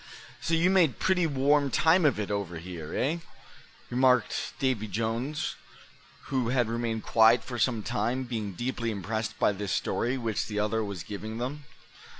"So you made pretty warm time of it over here, eh?" remarked Davy Jones, who had remained quiet for some time, being deeply impressed by this story which the other was giving them.